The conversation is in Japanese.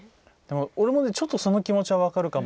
俺もねちょっとその気持ちは分かるかも。